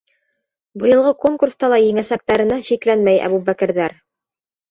Быйылғы конкурста ла еңәсәктәренә шикләнмәй әбүбәкерҙәр.